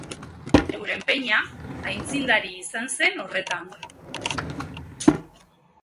Euren peña aitzindari izan zen horretan.